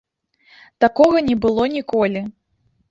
Такога не было ніколі.